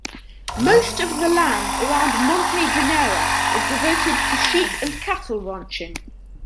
Most of the land around Monte Dinero is devoted to sheep and cattle ranching.